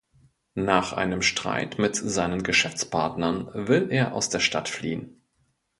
Nach einem Streit mit seinen Geschäftspartnern will er aus der Stadt fliehen.